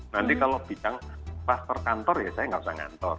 nanti kalau bidang kluster kantor ya saya nggak usah ngantor